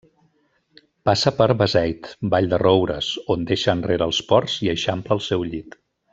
Passa per Beseit, Vall-de-roures, on deixa enrere els ports i eixampla el seu llit.